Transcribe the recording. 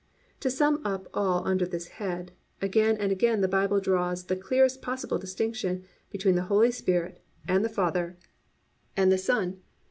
To sum up all under this head: again and again the Bible draws the clearest possible distinction between the Holy Spirit, and the Father, and the Son.